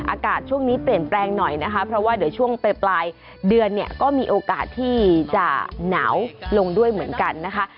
อากาศช่วงนี้เปลี่ยนแปลงหน่อยนะคะเพราะว่าเดี๋ยวช่วงปลายเดือนเนี่ยก็มีโอกาสที่จะหนาวลงด้วยเหมือนกันนะคะ